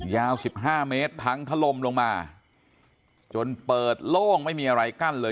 ยาว๑๕เมตรพังถล่มลงมาจนเปิดโล่งไม่มีอะไรกั้นเลย